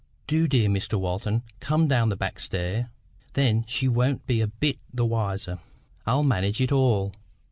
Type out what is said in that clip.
Do, dear Mr Walton, come down the back stair. Then she won't be a bit the wiser. I'll manage it all."